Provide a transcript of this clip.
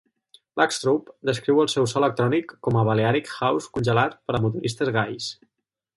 Black Strobe descriu el seu so electrònic com a "balearic house congelat per a motoristes gais".